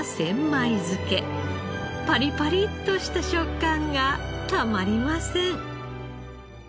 パリパリッとした食感がたまりません。